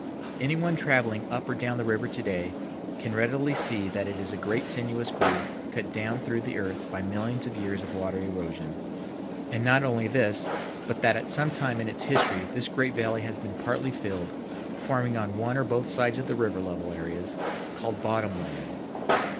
Anyone traveling up or down the river to day can readily see that it is a great sinuous groove cut down through the earth by millions of years of water erosion, and not only this, but that at some time in its history this great valley has been partly filled, forming on one or both sides of the river level areas called bottom land.